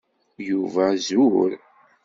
Yuba zur.